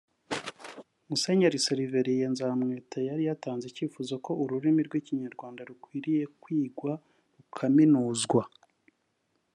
Musenyeri Servelien Nzakamwita yari atanze icyifuzo ko ururimi rw’Ikinyarwanda rukwiye kwigwa rukaminuzwa